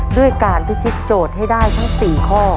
ด้วยการพฤติจดให้ได้ทั้ง๔ข้อ